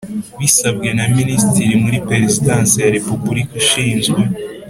Bisabwe na Minisitiri muri Perezidansi ya Repubulika ushinzwe